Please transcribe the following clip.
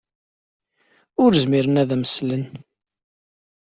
Ur zmiren ad am-slen.